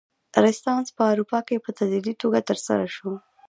رنسانس په اروپا کې په تدریجي توګه ترسره شو.